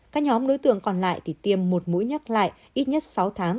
các nhóm đối tượng còn lại thì tiêm một mũi nhắc lại ít nhất sáu tháng